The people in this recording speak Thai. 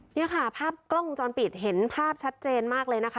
นี่ค่ะภาพกล้องวงจรปิดเห็นภาพชัดเจนมากเลยนะคะ